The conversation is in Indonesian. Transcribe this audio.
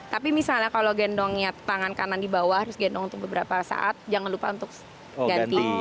tapi misalnya kalau gendongnya tangan kanan di bawah harus gendong untuk beberapa saat jangan lupa untuk ganti